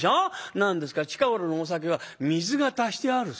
何ですか近頃のお酒は水が足してあるそうで。